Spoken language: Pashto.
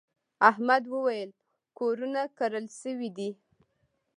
احمد وويل: کورونه کرل شوي دي.